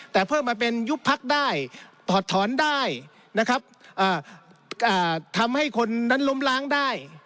แต่เพิ่มมาเป็นยุบพักได้ถอดถอนได้นะครับทำให้คนนั้นล้มล้างได้